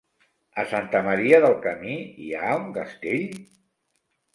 A Santa Maria del Camí hi ha un castell?